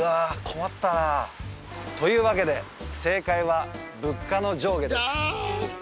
困ったなというわけで正解は「物価の上下」です